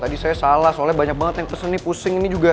tadi saya salah soalnya banyak banget yang pesen nih pusing ini juga